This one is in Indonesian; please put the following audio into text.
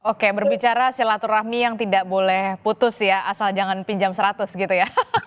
oke berbicara silaturahmi yang tidak boleh putus ya asal jangan pinjam seratus gitu ya